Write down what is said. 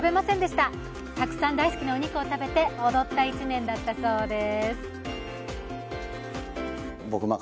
たくさん大好きなお肉を食べて踊った１年だったそうです。